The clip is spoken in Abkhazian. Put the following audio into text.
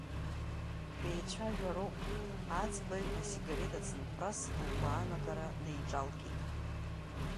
Шәеицәажәароуп, аӡбаҩ асигарет ацынхәрас лгәаанагара неиҿалкит.